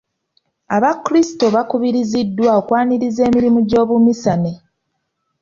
Abakrisito bakubiriziddwa okwaniriza emirimu gy'obuminsane.